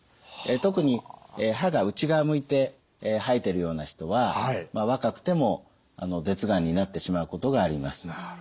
特に歯が内側向いて生えてるような人は若くても舌がんになってしまうことがあります。